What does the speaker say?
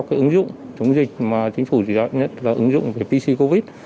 cái ứng dụng chống dịch mà chính phủ chỉ đoán nhất là ứng dụng về bc covid